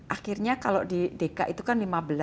akhirnya kalau di deka itu kan lima belas